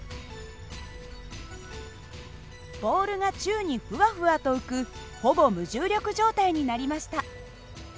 ボールが宙にふわふわと浮くほぼ無重力状態になりました。